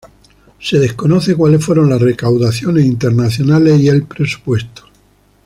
Se desconoce cuales fueron las recaudaciones internacionales y el presupuesto.